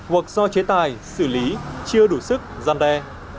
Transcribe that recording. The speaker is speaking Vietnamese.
hoặc do chế tài xử lý chưa đủ sức gian đe